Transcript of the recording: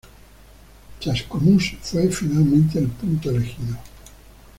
Chascomús fue finalmente el punto elegido.